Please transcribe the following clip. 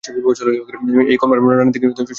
এই কমলা রাণী দিঘী সাগর দিঘি নামেও পরিচিত।